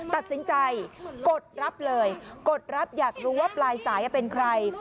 ตัดสินใจกดรับเลยกดรับอยากรู้ว่าปลายสายเป็นใคร